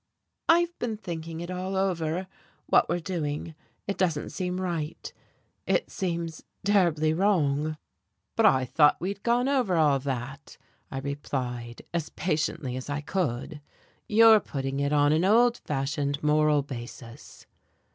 "I've been thinking it all over what we're doing. It doesn't seem right, it seems terribly wrong." "But I thought we'd gone over all that," I replied, as patiently as I could. "You're putting it on an old fashioned, moral basis."